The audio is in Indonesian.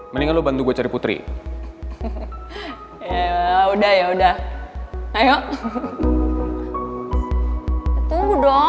mendingan lu bantu gue cari putri eh udah ya udah ayo tunggu dong